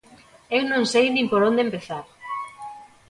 Eu non sei nin por onde empezar.